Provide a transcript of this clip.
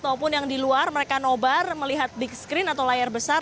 ataupun yang di luar mereka nobar melihat big screen atau layar besar